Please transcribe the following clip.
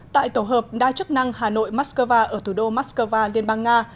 tại tổ hợp đa chức năng hà nội mắc scova ở thủ đô mắc scova liên bang nga